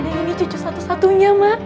dede ini cucu satu satunya emak